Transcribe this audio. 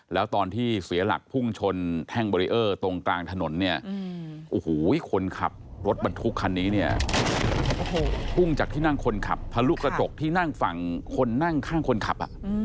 แล้วตอนที่เสียหลักพุ่งชนแท่งเบรีเออร์ตรงกลางถนนเนี่ยโอ้โหคนขับรถบรรทุกคันนี้เนี่ยพุ่งจากที่นั่งคนขับทะลุกระจกที่นั่งฝั่งคนนั่งข้างคนขับ